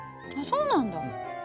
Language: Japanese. そうなんだ。